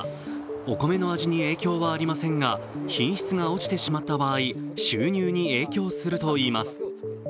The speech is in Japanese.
お米の味に影響はありませんが、品質が落ちてしまった場合、収入に影響するといいます。